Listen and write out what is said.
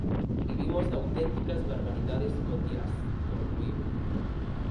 "Vivimos auténticas barbaridades cotiás", concluíu.